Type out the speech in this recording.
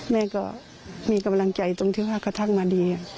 แม่ก็มีกำลังใจตรงที่ว่ากระทั่งมาดี